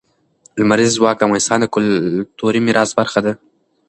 لمریز ځواک د افغانستان د کلتوري میراث برخه ده.